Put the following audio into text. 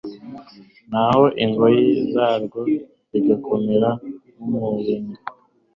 naho ingoyi zarwo zigakomera nk'umuringa